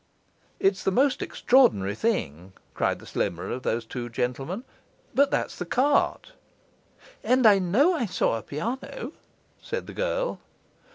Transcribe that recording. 'It's the most extraordinary thing,' cried the slimmer of the two gentlemen, 'but that's the cart.' 'And I know I saw a piano,' said the girl.